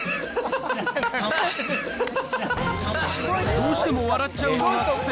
どうしても笑っちゃうのが癖。